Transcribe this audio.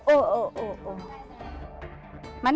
โอ๊ะ